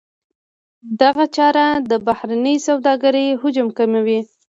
دغه چاره د بهرنۍ سوداګرۍ حجم کموي.